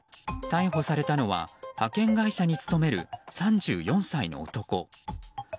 逮捕されたのは派遣会社に勤める３４歳の男。